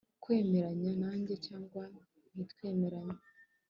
kwemeranya nanjye cyangwa ntitwemeranye